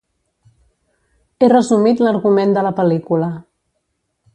He resumit l'argument de la pel·lícula.